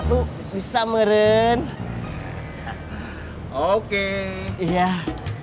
takut tambah kesel